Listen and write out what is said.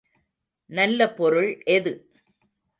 நல்ல பொருள் எது?